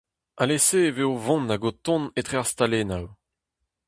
Alese e vez o vont hag o tont etre ar stalennoù.